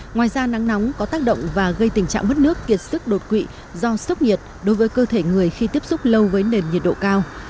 ngoài ra nắng nóng có tác động và gây tình trạng mất nước kiệt sức đột quỵ do sốc nhiệt đối với cơ thể người khi tiếp xúc lâu với nền nhiệt độ cao